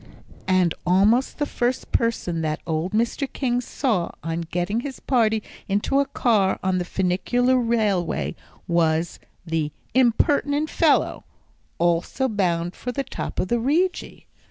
And almost the first person that old Mr. King saw on getting his party into a car on the funicular railway, was the "impertinent fellow," also bound for the top of the Rigi.